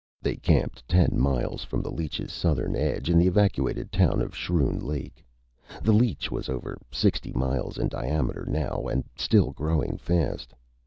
They camped ten miles from the leech's southern edge, in the evacuated town of Schroon Lake. The leech was over sixty miles in diameter now and still growing fast.